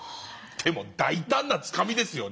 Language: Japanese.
でも大胆なつかみですよね。